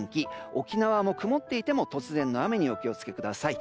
沖縄も曇っていても突然の雨にお気を付けください。